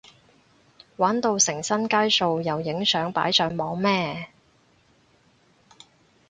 玩到成身街數又影相擺上網咩？